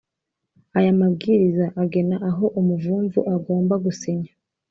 Aya mabwiriza agena aho umuvumvu agomba gusinya